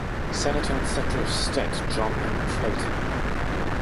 Senator and Secretary of State John M. Clayton.